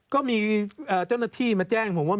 ก็มีเจ้าหน้าที่มาแจ้งผมว่า